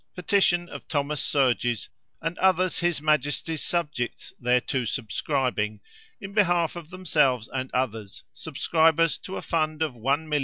Petition of Thomas Surges and others his majesty's subjects thereto subscribing, in behalf of themselves and others, subscribers to a fund of 1,200,000l.